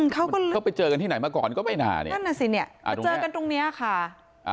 เขาไปเจอกันที่ไหนมาก่อนก็ไม่น่าเนี่ยนั่นน่ะสิเนี่ยมาเจอกันตรงเนี้ยค่ะ